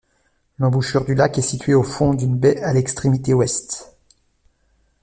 L'embouchure du lac est situé au fond d'une baie à l'extrémité ouest.